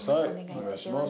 お願いします。